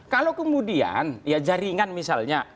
kalau kemudian jaringan misalnya